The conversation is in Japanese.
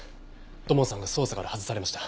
土門さんが捜査から外されました。